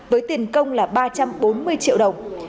với tiền công là ba trăm bốn mươi triệu đồng